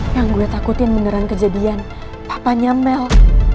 yang gue takutin beneran kejadian apanya mel